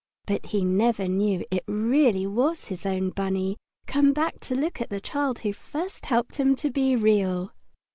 But he never knew that it really was his own Bunny, come back to look at the child who had first helped him to be Real.